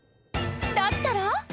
だったら？